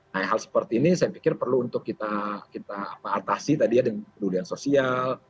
nah hal seperti ini saya pikir perlu untuk kita atasi tadi ya dengan pedulian sosial